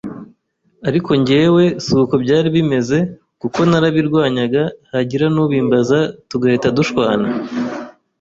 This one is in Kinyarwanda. ariko njyewe siko byari bimeze kuko narabirwanyaga hagira n’ubimbaza tugahita dushwana